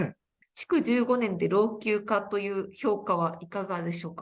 築１５年で老朽化という評価はいかがでしょうか。